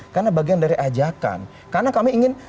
karena bagian dari ajakan karena kami ingin